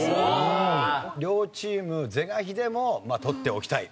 両チーム是が非でも取っておきたい